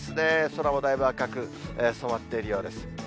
空もだいぶ赤く染まっているようです。